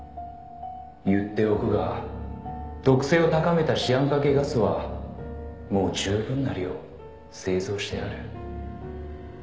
「言っておくが毒性を高めたシアン化系ガスはもう十分な量製造してある」